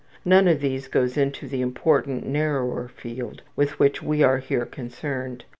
None of these goes into the important, narrower field with which we are here concerned.